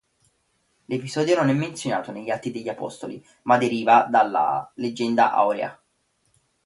L'episodio non è menzionato negli Atti degli Apostoli, ma deriva dalla "Leggenda Aurea".